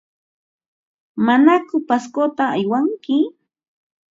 ¿Manaku Pascota aywanki?